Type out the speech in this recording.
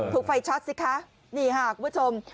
ถูกไฟชัดสิคะนี่ค่ะคุณผู้ชม